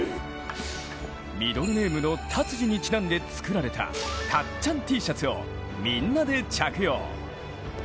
ミドルネームのタツジにちなんで作られたたっちゃんＴシャツをみんなで着用。